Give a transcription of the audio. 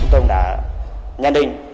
chúng tôi đã nhận định